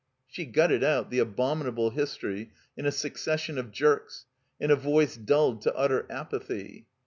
She got it out, the abominable history, in a suc cession of jerks, in a voice dulled to utter apathy.